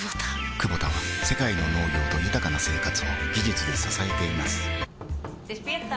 クボタは世界の農業と豊かな生活を技術で支えています起きて。